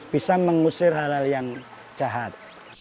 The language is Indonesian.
bisa mengusir halal yang jahat